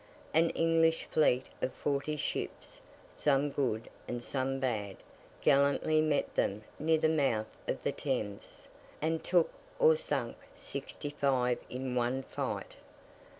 An English fleet of forty ships, some good and some bad, gallantly met them near the mouth of the Thames, and took or sunk sixty five in one fight.